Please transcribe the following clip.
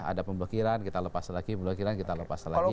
ada pemblokiran kita lepas lagi pemblokiran kita lepas lagi